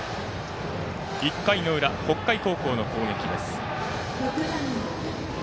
１回の裏、北海高校の攻撃です。